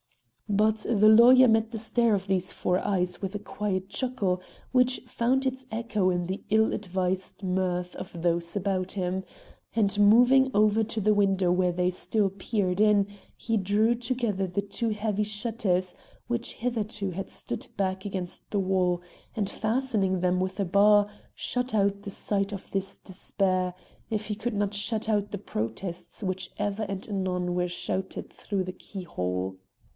But the lawyer met the stare of these four eyes with a quiet chuckle, which found its echo in the ill advised mirth of those about him; and moving over to the window where they still peered in, he drew together the two heavy shutters which hitherto had stood back against the wall, and, fastening them with a bar, shut out the sight of this despair, if he could not shut out the protests which ever and anon were shouted through the keyhole.